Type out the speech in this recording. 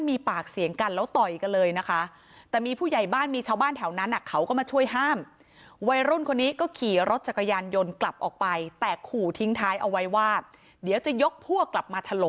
มีปากเสียงกันแล้วต่อยกันเลยนะคะ